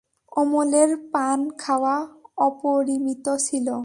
অমলের পান খাওয়া অপরিমিত ছিল।